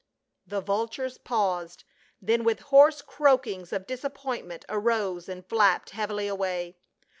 The vultures paused, then with hoarse croakings of disappointment arose and flapped heavily away.